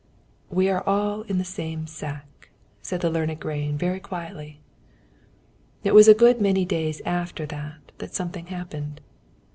"We are all in the same sack," said the learned grain, very quietly. It was a good many days after that, that something happened.